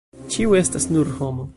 Ĉiu estas nur homo.